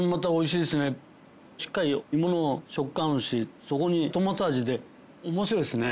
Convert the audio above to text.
しっかり芋の食感あるしそこにトマト味で面白いですね。